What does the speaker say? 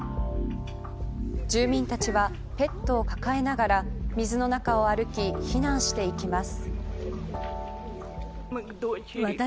住民たちは、ペットを抱えながら水の中を歩き避難していきます。